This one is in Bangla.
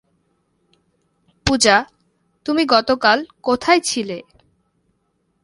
পূজা, তুমি গতকাল কোথায় ছিলে?